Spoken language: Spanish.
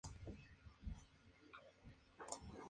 Commando era una de las palomas llevadas en servicio militar.